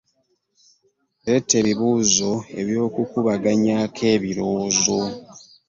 Leeta ebibuuzo eby’okukubaganyaako ebirowoozo.